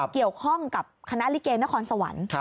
เกี่ยวข้องกับคณะลิเกนครสวรรค์